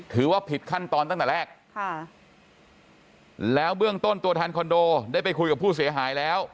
ถือว่าผิดขั้นตอนตั้งแต่แรกค่ะแล้วเบื้องต้นตัวแทนคอนโดได้ไปคุยกับผู้เสียหายแล้ว